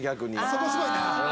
そこすごいな。